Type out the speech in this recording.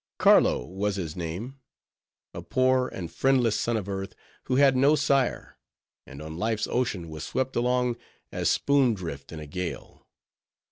Carlo was his name; a poor and friendless son of earth, who had no sire; and on life's ocean was swept along, as spoon drift in a gale.